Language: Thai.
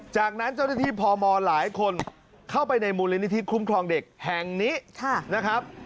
จากนั้นเจ้าหน้าที่พมหลายคนเข้าไปในมูลนิธิคุ้มครองเด็กแห่งนี้นะครับ